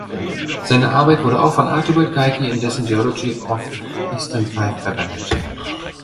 Seine Arbeit wurde auch von Archibald Geikie in dessen Geology of Eastern Five verwendet.